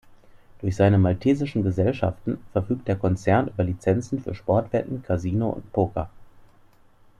Durch seine maltesischen Gesellschaften verfügt der Konzern über Lizenzen für Sportwetten, Casino und Poker.